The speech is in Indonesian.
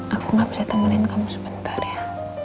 aku gak bisa temenin kamu sebentar ya